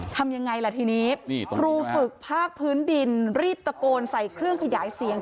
ทำยังไงล่ะทีนี้ครูฝึกภาคพื้นดินรีบตะโกนใส่เครื่องขยายเสียง